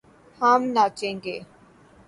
ہم ناچے گے